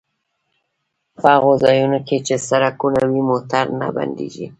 په هغو ځایونو کې چې سړکونه وي موټر نه بندیږي